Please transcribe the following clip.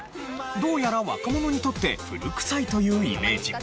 どうやら若者にとって古くさいというイメージ。